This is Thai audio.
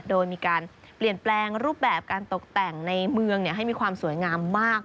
โดยมีการเปลี่ยนแปลงรูปแบบการตกแต่งในเมืองให้มีความสวยงามมาก